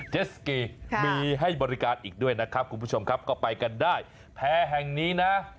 เจสกีมีให้บริการอีกด้วยนะครับคุณผู้ชมครับก็ไปกันได้แพร่แห่งนี้นะ